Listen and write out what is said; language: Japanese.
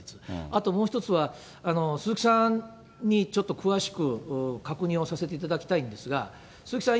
あともう一つは、鈴木さんにちょっと詳しく確認をさせていただきたいんですが、鈴木さん